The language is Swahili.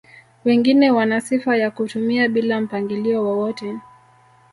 Wengine wana sifa ya kutumia bila mpangilio wowote